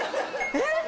えっ！